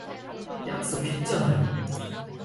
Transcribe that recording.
약속했잖아요.